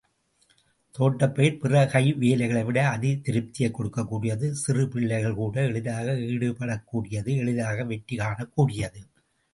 தோட்டப் பயிர், பிற கை வேலைகளைவிட அதி திருப்தியைக் கொடுக்கக்கூடியது சிறுபிள்ளைகள்கூட எளிதாக ஈடுபடக்கூடியது எளிதாக வெற்றி காணக்கூடியது.